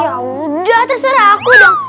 yaudah terserah aku dong